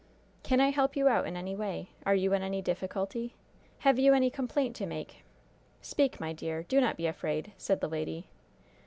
"Can I help you out in any way? Are you in any difficulty? Have you any complaint to make? Speak, my dear. Do not be afraid," said the lady.